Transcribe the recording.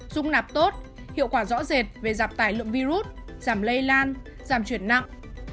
dung nạp tốt hiệu quả rõ rệt về giảm tải lượng virus giảm lây lan giảm chuyển nặng